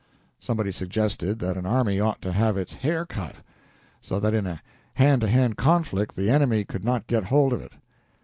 Somebody suggested that an army ought to have its hair cut, so that in a hand to hand conflict the enemy could not get hold of it.